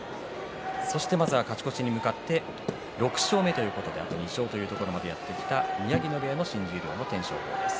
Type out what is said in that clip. そして勝ち越しに向かって６勝目ということであと２勝というところで宮城野部屋の新十両の天照鵬です。